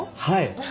はい！